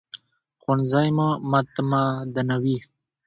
ښوونځی مو متمدنوي